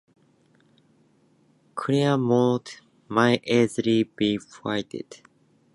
Clermont might easily be fortified'.